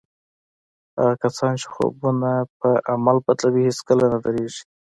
هغه کسان چې خوبونه پر عمل بدلوي هېڅکله نه درېږي